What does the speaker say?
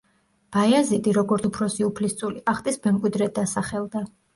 ბაიაზიდი, როგორც უფროსი უფლისწული ტახტის მემკვიდრედ დასახელდა.